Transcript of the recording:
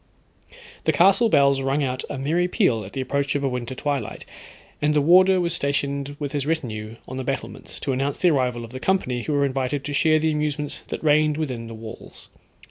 The castle bells rung out a merry peal at the approach of a winter twilight, and the warder was stationed with his retinue on the battlements, to announce the arrival of the company who were invited to share the amusements that reigned within the walls.